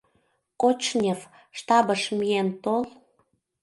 Кочнев, штабыш миен тол.